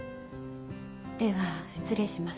では失礼します。